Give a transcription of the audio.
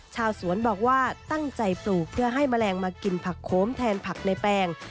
ชาวสวนบอกว่าตั้งใจปลูกเพื่อให้แมลงมากินผักโค้มแทนผักในแปลง